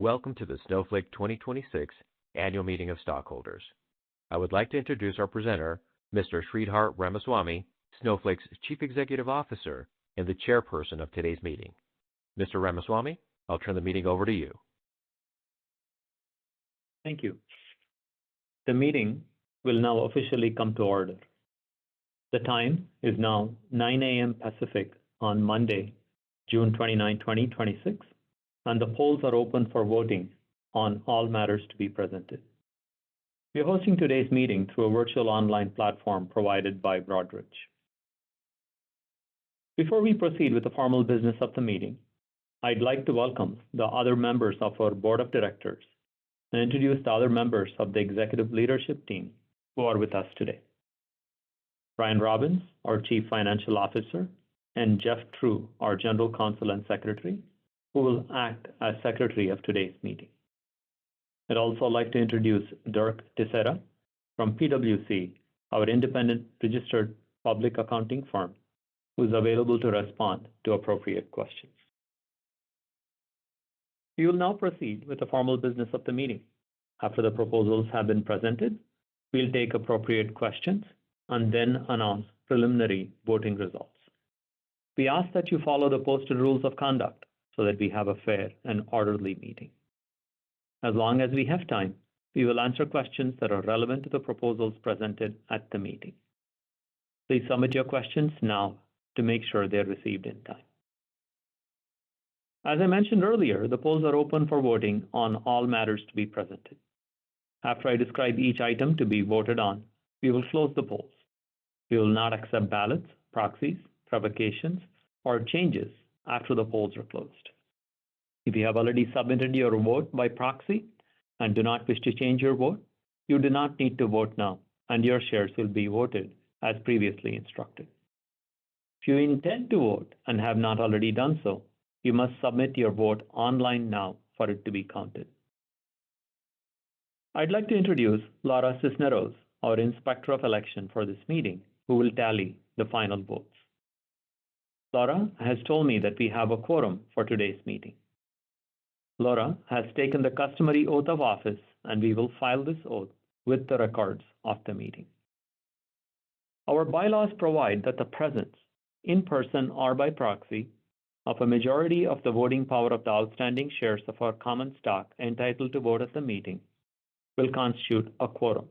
Welcome to the Snowflake 2026 annual meeting of stockholders. I would like to introduce our presenter, Mr. Sridhar Ramaswamy, Snowflake's Chief Executive Officer and the chairperson of today's meeting. Mr. Ramaswamy, I'll turn the meeting over to you. Thank you. The meeting will now officially come to order. The time is now 9:00 A.M. Pacific on Monday, June 29, 2026. The polls are open for voting on all matters to be presented. We are hosting today's meeting through a virtual online platform provided by Broadridge. Before we proceed with the formal business of the meeting, I'd like to welcome the other members of our board of directors and introduce the other members of the executive leadership team who are with us today. Brian Robins, our Chief Financial Officer, and Jeff Truwit, our General Counsel and Secretary, who will act as secretary of today's meeting. I'd also like to introduce Dirk D'Haeseleer from PwC, our independent registered public accounting firm, who's available to respond to appropriate questions. We will now proceed with the formal business of the meeting. After the proposals have been presented, we'll take appropriate questions and then announce preliminary voting results. We ask that you follow the posted rules of conduct so that we have a fair and orderly meeting. As long as we have time, we will answer questions that are relevant to the proposals presented at the meeting. Please submit your questions now to make sure they're received in time. As I mentioned earlier, the polls are open for voting on all matters to be presented. After I describe each item to be voted on, we will close the polls. We will not accept ballots, proxies, revocations, or changes after the polls are closed. If you have already submitted your vote by proxy and do not wish to change your vote, you do not need to vote now, and your shares will be voted as previously instructed. If you intend to vote and have not already done so, you must submit your vote online now for it to be counted. I'd like to introduce Laura Cisneros, our Inspector of Election for this meeting, who will tally the final votes. Laura has told me that we have a quorum for today's meeting. Laura has taken the customary oath of office, and we will file this oath with the records of the meeting. Our bylaws provide that the presence, in person or by proxy, of a majority of the voting power of the outstanding shares of our common stock entitled to vote at the meeting will constitute a quorum.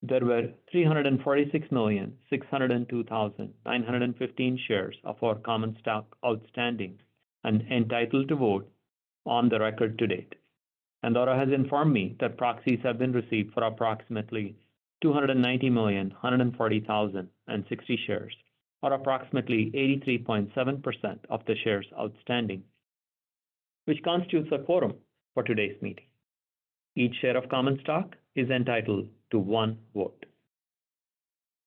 There were 346,602,915 shares of our common stock outstanding and entitled to vote on the record to date. Laura has informed me that proxies have been received for approximately 290,140,060 shares or approximately 83.7% of the shares outstanding, which constitutes a quorum for today's meeting. Each share of common stock is entitled to one vote.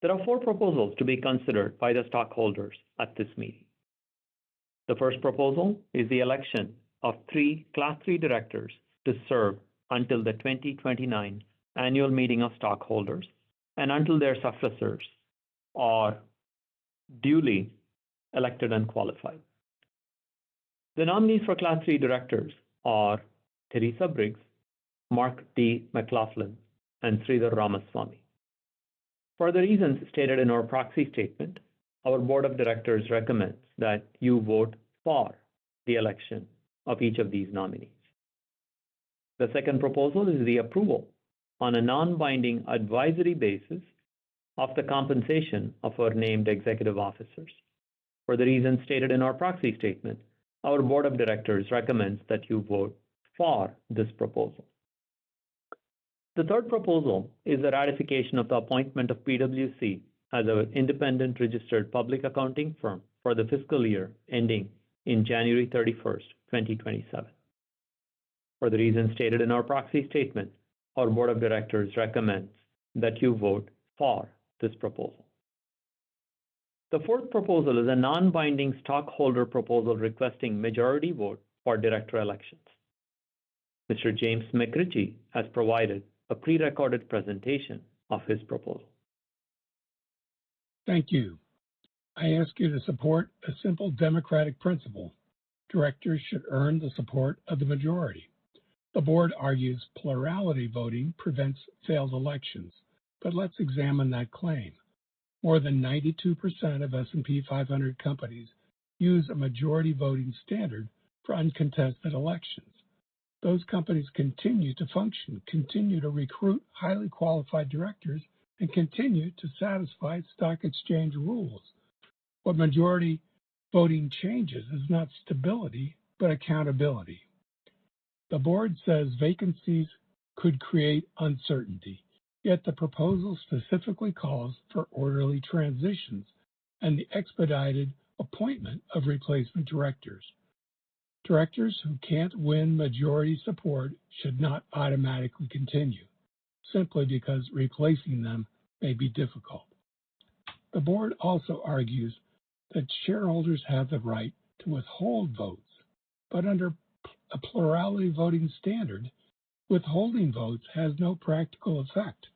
There are four proposals to be considered by the stockholders at this meeting. The first proposal is the election of three Class III directors to serve until the 2029 annual meeting of stockholders and until their successors are duly elected and qualified. The nominees for Class III directors are Teresa Briggs, Mark D. McLaughlin, and Sridhar Ramaswamy. For the reasons stated in our proxy statement, our board of directors recommends that you vote for the election of each of these nominees. The second proposal is the approval on a non-binding advisory basis of the compensation of our named executive officers. For the reasons stated in our proxy statement, our board of directors recommends that you vote for this proposal. The third proposal is the ratification of the appointment of PwC as our independent registered public accounting firm for the fiscal year ending in January 31st, 2027. For the reasons stated in our proxy statement, our board of directors recommends that you vote for this proposal. The fourth proposal is a non-binding stockholder proposal requesting majority vote for director elections. Mr. James McRitchie has provided a pre-recorded presentation of his proposal. Thank you. I ask you to support a simple democratic principle. Directors should earn the support of the majority. The board argues plurality voting prevents failed elections, but let's examine that claim. More than 92% of S&P 500 companies use a majority voting standard for uncontested elections. Those companies continue to function, continue to recruit highly qualified directors, and continue to satisfy stock exchange rules. What majority voting changes is not stability, but accountability. The board says vacancies could create uncertainty, yet the proposal specifically calls for orderly transitions and the expedited appointment of replacement directors. Directors who can't win majority support should not automatically continue simply because replacing them may be difficult. The board also argues that shareholders have the right to withhold votes, but under a plurality voting standard, withholding votes has no practical effect.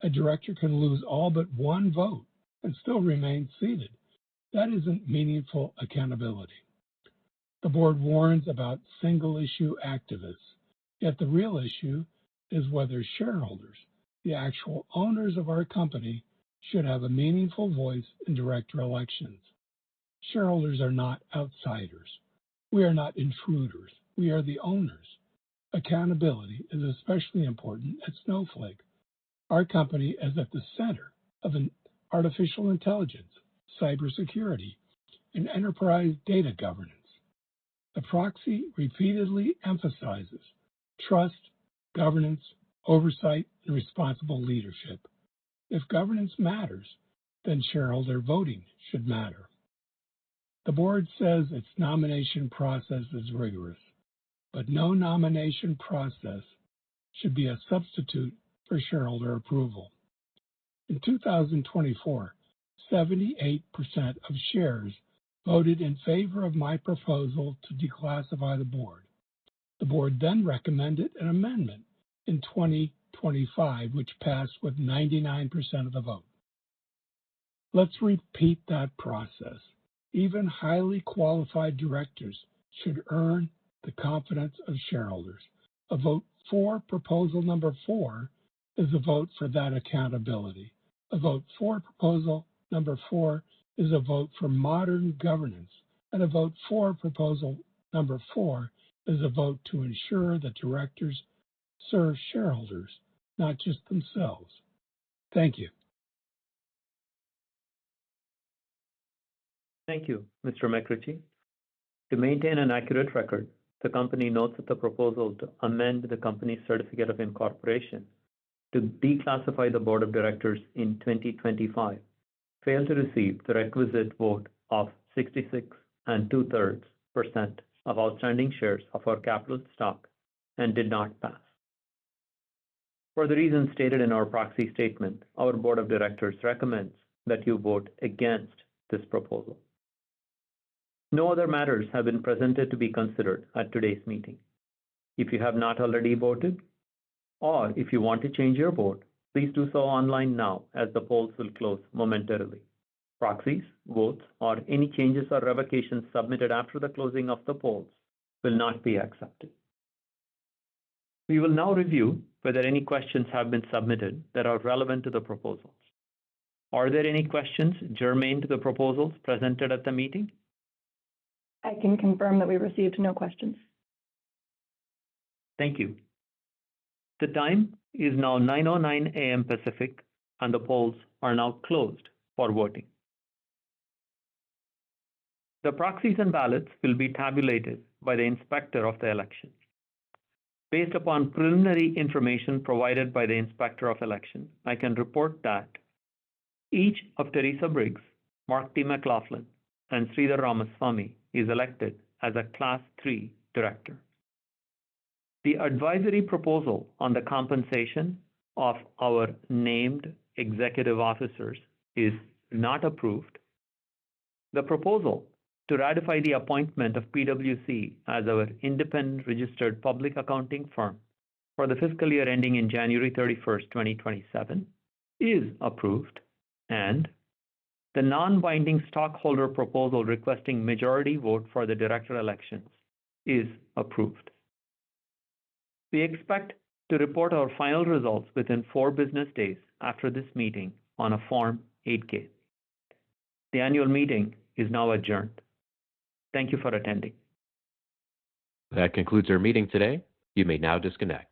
A director can lose all but one vote and still remain seated. That isn't meaningful accountability. The board warns about single-issue activists, yet the real issue is whether shareholders, the actual owners of our company, should have a meaningful voice in director elections. Shareholders are not outsiders. We are not intruders. We are the owners. Accountability is especially important at Snowflake. Our company is at the center of artificial intelligence, cybersecurity, and enterprise data governance. The proxy repeatedly emphasizes trust, governance, oversight, and responsible leadership. If governance matters, then shareholder voting should matter. The board says its nomination process is rigorous. No nomination process should be a substitute for shareholder approval. In 2024, 78% of shares voted in favor of my proposal to declassify the board. The board then recommended an amendment in 2025, which passed with 99% of the vote. Let's repeat that process. Even highly qualified directors should earn the confidence of shareholders. A vote for proposal number four is a vote for that accountability. A vote for proposal number four is a vote for modern governance. A vote for proposal number four is a vote to ensure that directors serve shareholders, not just themselves. Thank you. Thank you, Mr. McRitchie. To maintain an accurate record, the company notes that the proposal to amend the company's certificate of incorporation to declassify the board of directors in 2025 failed to receive the requisite vote of 66 and two-thirds% of outstanding shares of our capital stock and did not pass. For the reasons stated in our proxy statement, our board of directors recommends that you vote against this proposal. No other matters have been presented to be considered at today's meeting. If you have not already voted, or if you want to change your vote, please do so online now as the polls will close momentarily. Proxies, votes, or any changes or revocations submitted after the closing of the polls will not be accepted. We will now review whether any questions have been submitted that are relevant to the proposals. Are there any questions germane to the proposals presented at the meeting? I can confirm that we received no questions. Thank you. The time is now 9:09 A.M. Pacific. The polls are now closed for voting. The proxies and ballots will be tabulated by the inspector of the election. Based upon preliminary information provided by the inspector of election, I can report that each of Teresa Briggs, Mark D. McLaughlin, and Sridhar Ramaswamy is elected as a class 3 director. The advisory proposal on the compensation of our named executive officers is not approved. The proposal to ratify the appointment of PwC as our independent registered public accounting firm for the fiscal year ending in January 31, 2027 is approved. The non-binding stockholder proposal requesting majority vote for the director elections is approved. We expect to report our final results within four business days after this meeting on a Form 8-K. The annual meeting is now adjourned. Thank you for attending. That concludes our meeting today. You may now disconnect.